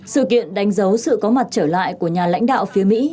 sự kiện đánh dấu sự có mặt trở lại của nhà lãnh đạo phía mỹ